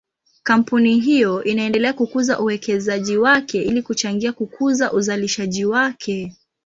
Kampuni hiyo inaendelea kukuza uwekezaji wake ili kuchangia kukuza uzalishaji wake.